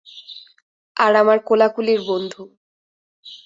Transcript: আর আমার কোলাকুলির বন্ধু।